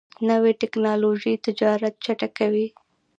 نوې ټکنالوژي تجارت چټکوي.